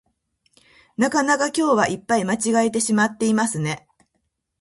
なかなか今日はいっぱい間違えてしまっていますね